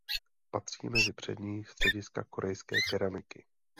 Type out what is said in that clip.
Patří mezí přední střediska korejské keramiky.